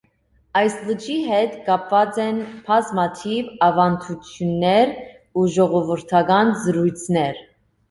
Այս լճի հետ կապված են բազմաթիվ ավանդություններ ու ժողովրդական զրույցներ։